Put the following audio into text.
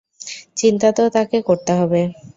চিন্তা তো তাকে করতে হবে।